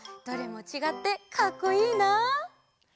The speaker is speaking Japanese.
どれもちがってかっこいいなあ。